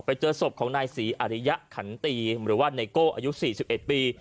ก็ไปเจอสบของนายศรีอารยะคันตีหรือว่าเนโก่อายุสิบเอ็ดปี